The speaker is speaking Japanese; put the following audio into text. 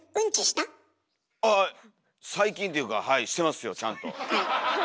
ああ最近っていうかはいしてますよちゃんと。